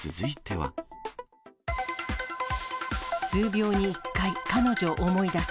数秒に１回、彼女思い出す。